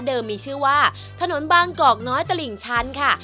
มีชื่อว่าถนนบางกอกน้อยตลิ่งชันค่ะ